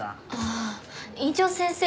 ああ院長先生